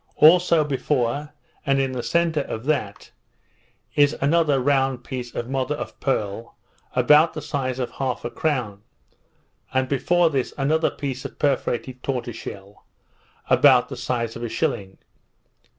Also before, and in the centre of that, is another round piece of mother o' pearl, about the size of half a crown; and before this another piece of perforated tortoise shell, about the size of a shilling.